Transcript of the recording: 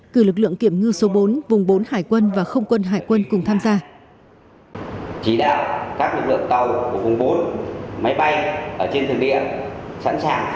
cử lực lượng kiểm ngư số bốn vùng bốn hải quân và không quân hải quân cùng tham gia